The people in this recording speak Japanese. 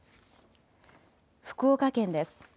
福岡県です。